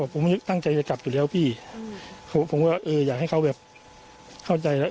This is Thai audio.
ผมตั้งใจจะกลับอยู่แล้วพี่ผมก็เอออยากให้เขาแบบเข้าใจแล้ว